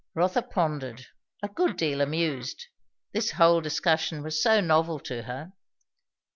Rotha pondered, a good deal amused; this whole discussion was so novel to her.